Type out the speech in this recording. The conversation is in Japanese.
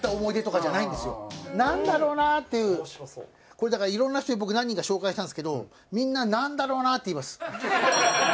これだからいろんな人に僕何人か紹介したんですけどみんな「なんだろうな」って言います。